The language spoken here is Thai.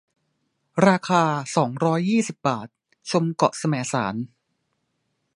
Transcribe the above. ราคา สองร้อยยี่สิบ บาท ชมเกาะแสมสาร